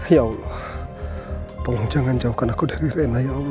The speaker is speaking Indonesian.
ya allah tolong jangan jauhkan aku dari renaya allah